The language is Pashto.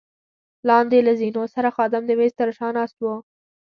لاندې له زینو سره خادم د مېز تر شا ناست وو.